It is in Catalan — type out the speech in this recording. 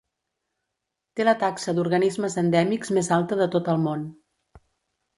Té la taxa d'organismes endèmics més alta de tot el món.